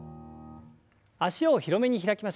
脚を広めに開きましょう。